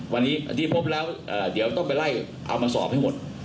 วันนี้ที่พบแล้วเดี๋ยวต้องไปไล่เอามาสอบให้หมด